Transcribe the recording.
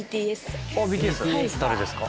誰ですか？